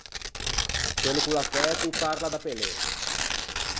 Quello ch’o l’à fæto o parla da pe lê.